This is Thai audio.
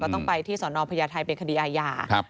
ต้องไปที่สอนอพญาไทยเป็นคดีอาญา